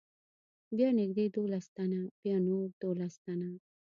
بیا نږدې دولس تنه، بیا نور دولس تنه.